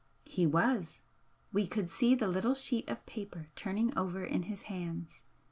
He was, we could see the little sheet of paper turning over in his hands.